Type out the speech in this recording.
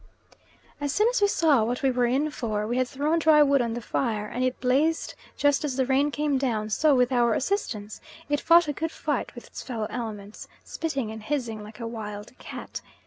As soon as we saw what we were in for, we had thrown dry wood on to the fire, and it blazed just as the rain came down, so with our assistance it fought a good fight with its fellow elements, spitting and hissing like a wild cat.